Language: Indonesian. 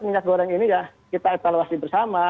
minyak goreng ini ya kita evaluasi bersama